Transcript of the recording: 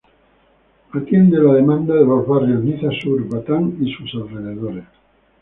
Atiende la demanda de los barrios Niza Sur, Batán y sus alrededores.